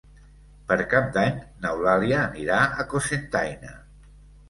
Per Cap d'Any n'Eulàlia anirà a Cocentaina.